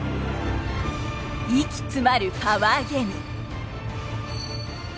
息詰まるパワーゲーム。